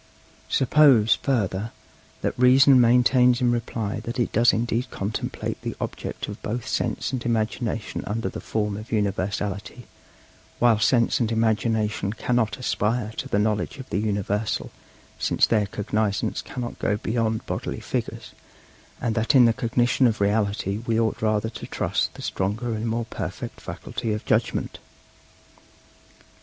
Suppose, further, that Reason maintains in reply that it does indeed contemplate the object of both Sense and Imagination under the form of universality, while Sense and Imagination cannot aspire to the knowledge of the universal, since their cognizance cannot go beyond bodily figures, and that in the cognition of reality we ought rather to trust the stronger and more perfect faculty of judgment.